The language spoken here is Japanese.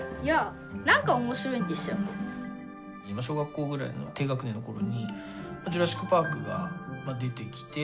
小学校ぐらいの低学年の頃に「ジュラシック・パーク」が出てきて。